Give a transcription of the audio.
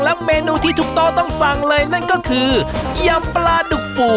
และเมนูที่ถูกต้องต้องสั่งเลยนั่นก็คือยำปลาดุกฟู